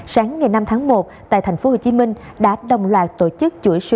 sáng ngày năm tháng một tại tp hcm đã đồng loạt tổ chức chuỗi sản phẩm